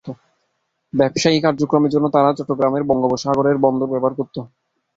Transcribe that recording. ব্যবসায়ী কার্যক্রমের জন্য তারা চট্টগ্রামের বঙ্গোপসাগরের বন্দর ব্যবহার করত।